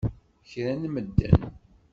Kra n medden!